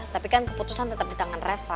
tapi kan keputusan tetap di tangan reva